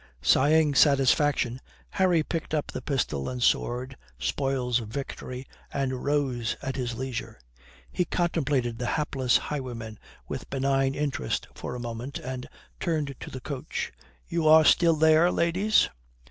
Sighing satisfaction, Harry picked up the pistol and sword, spoils of victory, and rose at his leisure. He contemplated the hapless highwayman with benign interest for a moment, and turned to the coach. "You are still there, ladies?